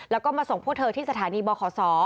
แล้วก็มาส่งพวกเธอที่สถานีบขศ